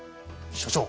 所長